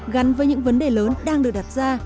gắn với những vấn đề lớn đang được đặt ra